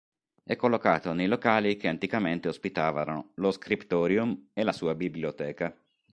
È collocato nei locali che anticamente ospitavano lo "scriptorium" e la sua biblioteca.